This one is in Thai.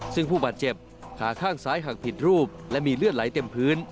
ซึ่งผู้บาดเจ็บขาข้างซ้ายหักผิดรูปและมีเลือดไหลเต็มพื้น